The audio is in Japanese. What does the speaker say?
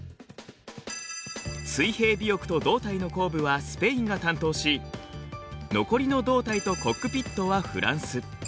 水平尾翼と胴体の後部はスペインが担当し残りの胴体とコックピットはフランス。